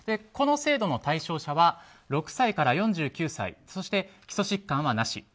この制度の対象者は６歳から４９歳そして基礎疾患はなし。